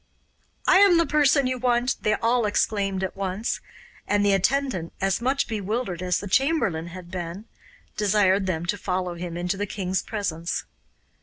'I am the person you want,' they all exclaimed at once, and the attendant, as much bewildered as the chamberlain had been, desired them to follow him into the king's presence.